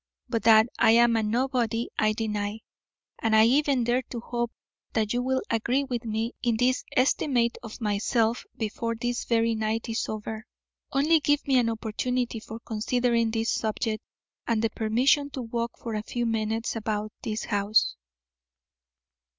But that I am a nobody I deny, and I even dare to hope that you will agree with me in this estimate of myself before this very night is over. Only give me an opportunity for considering this subject, and the permission to walk for a few minutes about this house."